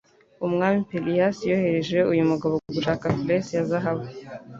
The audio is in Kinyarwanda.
Umwami Pelias yohereje uyu mugabo gushaka Fleece ya Zahabu